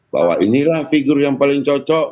bahwa inilah figur yang paling cocok